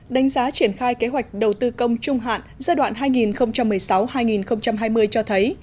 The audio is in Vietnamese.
đánh giá triển khai kế hoạch đầu tư công trung hạn giai đoạn hai nghìn một mươi sáu hai nghìn hai mươi cho thấy